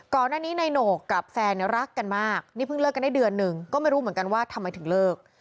ก่อนหน้านี้นายโหนกกับแฟนรักกันมากนี่เพิ่งเลิกกันได้เดือนหนึ่งก็ไม่รู้เหมือนกันว่าทำไมถึงเลิก